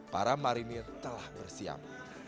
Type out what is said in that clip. para marinir telah bersiap